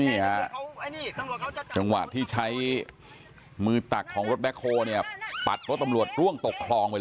นี่ฮะจังหวะที่ใช้มือตักของรถแบ็คโคคล์ปัดรถตำรวจห้วงตกครอง